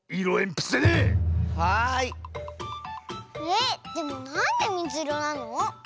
えっでもなんでみずいろなの？